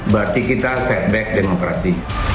berarti kita setback demokrasi